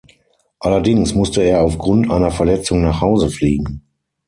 Allerdings musste er aufgrund einer Verletzung nach Hause fliegen.